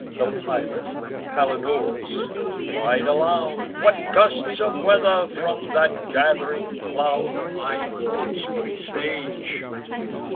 The pilot, Palinurus, cried aloud: "What gusts of weather from that gath'ring cloud My thoughts presage!